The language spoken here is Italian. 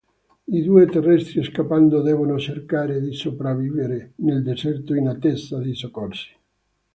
I due terrestri, scappando, devono cercare di sopravvivere nel deserto in attesa di soccorsi.